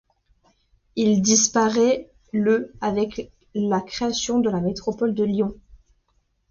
Il disparaît le avec la création de la métropole de Lyon.